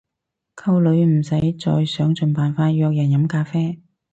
溝女唔使再想盡辦法約人飲咖啡